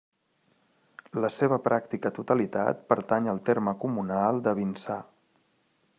La seva pràctica totalitat pertany al terme comunal de Vinçà.